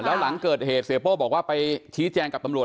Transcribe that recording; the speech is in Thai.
แล้วหลังเกิดเหตุเสียโป้บอกว่าไปชี้แจงกับตำรวจ